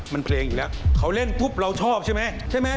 มันเพลงอยู่แล้วเขาเล่นปุ๊บเราชอบใช่ไหมใช่ไหม